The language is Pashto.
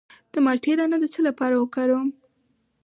د مالټې دانه د څه لپاره وکاروم؟